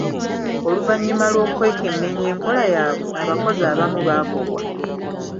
Oluvannyuma lw'okwekenneenya enkola yaabwe, abakozi abamu baagobwa.